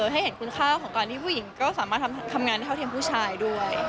ให้เห็นคุณค่าของการที่ผู้หญิงก็สามารถทำงานเท่าเทียมผู้ชายด้วย